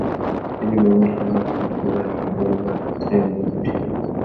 তিনি মোগল সম্রাট আকবরের বৈমাত্রেয় বোন ছিলেন।